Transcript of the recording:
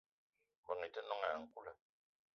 Mbeng i te noong ayi nkoula.